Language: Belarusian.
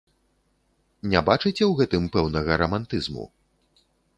Не бачыце ў гэтым пэўнага рамантызму?